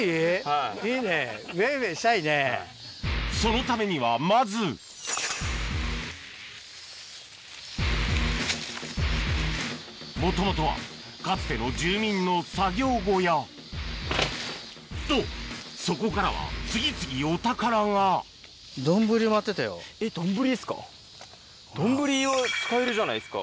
そのためにはまずもともとはかつての住民の作業小屋とそこからは次々お宝が丼は使えるじゃないですか。